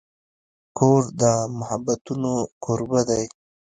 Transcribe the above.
کور د محبتونو کوربه دی.